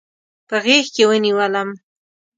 په غېږ کې ونیولم.